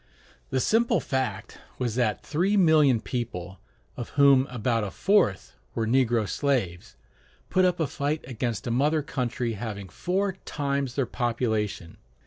The simple fact was that three million people, of whom about a fourth were negro slaves, put up a fight against a mother country having four times their population.